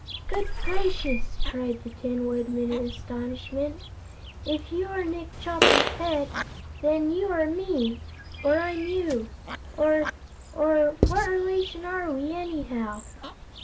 "Good gracious!" cried the Tin Woodman in astonishment. "If you are Nick Chopper's Head, then you are Me or I'm You or or What relation are we, anyhow?"